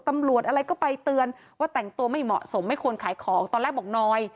ตำรวจอะไรก็ไปเตือนว่าแต่งตัวไม่เหมาะสมไม่ควรขายของตอนแรกบอกน้อย